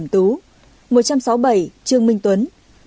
một trăm sáu mươi bảy trương minh tuấn